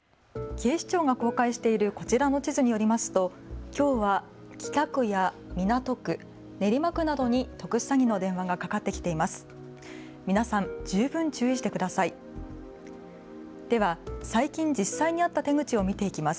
警視庁が公開しているこちらの地図によりますときょうは北区や港区、練馬区などに特殊詐欺の電話がかかってきています。